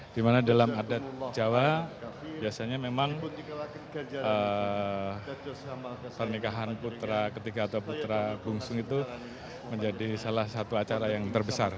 di mana dalam adat jawa biasanya memang pernikahan putra ketiga atau putra bungsung itu menjadi salah satu acara yang terbesar